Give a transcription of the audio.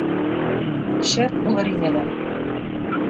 — Шәп булыр ине лә...